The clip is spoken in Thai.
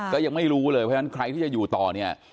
ก็ยังไม่รู้เลยเพราะฉะนั้นใครที่จะอยู่ต่อเนี่ย